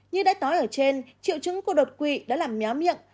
như đã nói ở trên triệu chứng của đột quỵ đã làm méo miệng